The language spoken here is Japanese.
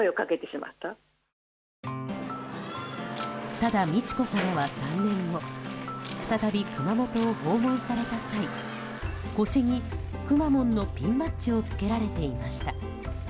ただ、美智子さまは３年後再び熊本を訪問された際腰に、くまモンのピンバッジを着けられていました。